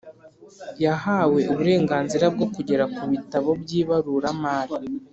Yahawe uburenganzira bwo kugera ku bitabo by’ibaruramari